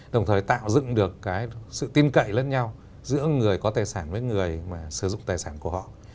đồng thời tạo dựng được cái sự tin cậy lẫn nhau giữa người có tài sản với người mà sử dụng tài sản của họ